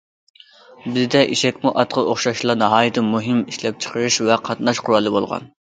بىزدە ئېشەكمۇ ئاتقا ئوخشاشلا ناھايىتى مۇھىم ئىشلەپچىقىرىش ۋە قاتناش قورالى بولغان.